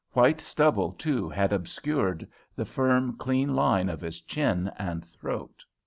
White stubble, too, had obscured the firm, clean line of his chin and throat.